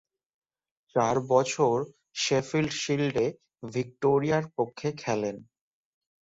চার বছর শেফিল্ড শিল্ডে ভিক্টোরিয়ার পক্ষে খেলেন।